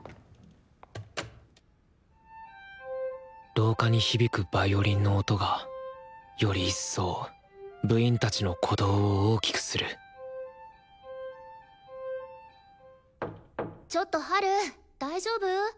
廊下に響くヴァイオリンの音がより一層部員たちの鼓動を大きくするちょっとハル大丈夫？